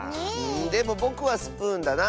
でもぼくはスプーンだな。